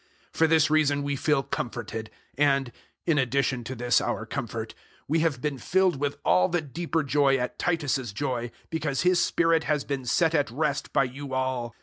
007:013 For this reason we feel comforted; and in addition to this our comfort we have been filled with all the deeper joy at Titus's joy, because his spirit has been set at rest by you all.